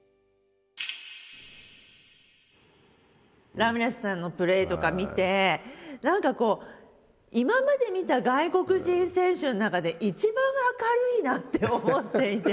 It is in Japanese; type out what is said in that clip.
ラミレスさんのプレーとか見て何かこう今まで見た外国人選手の中で一番明るいなって思っていて。